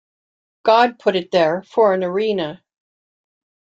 God put it there for an arena.